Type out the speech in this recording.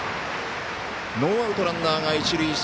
ノーアウト、ランナーが一塁。